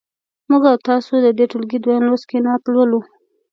موږ او تاسو د دې ټولګي دویم لوست کې نعت لولو.